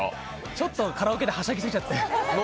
ちょっとカラオケではしゃぎすぎちゃって。